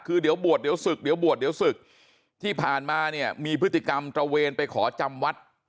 คือเดี๋ยวบวชเดี๋ยวศึกเดี๋ยวบวชเดี๋ยวศึกที่ผ่านมาเนี่ยมีพฤติกรรมตระเวนไปขอจำวัด